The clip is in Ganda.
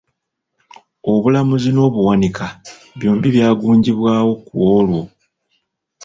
Obulamuzi n'Obuwanika byombi byagunjibwawo ku olwo.